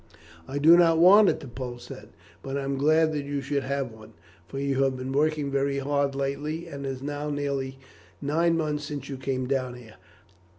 "I do not want it," the Pole said; "but I am glad that you should have one, for you have been working very hard lately, and it is now nearly nine months since you came down here."